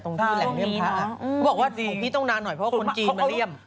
ที่แหล่งเลี่ยมพระเขาบอกว่าของพี่ต้องนานหน่อยเพราะว่าคนจีนมาเลี่ยม